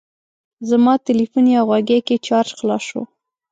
زما تلیفون یا غوږۍ کې چارج خلاص شو.